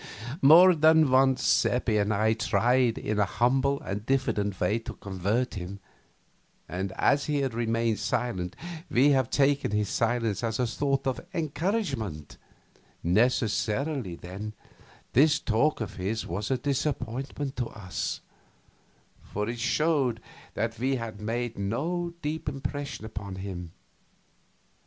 More than once Seppi and I had tried in a humble and diffident way to convert him, and as he had remained silent we had taken his silence as a sort of encouragement; necessarily, then, this talk of his was a disappointment to us, for it showed that we had made no deep impression upon him.